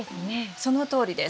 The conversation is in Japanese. そのとおりです。